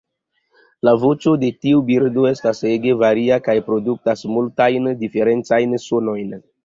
La voĉo de tiu birdo estas ege varia kaj produktas multajn diferencajn sonojn.